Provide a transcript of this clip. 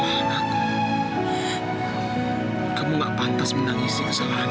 maaf aku harus pergi ke rumah sakit sekarang